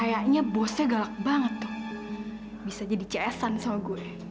kayaknya bosnya galak banget tuh bisa jadi cs an sama gue